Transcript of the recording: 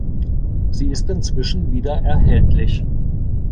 Sie ist inzwischen wieder erhältlich.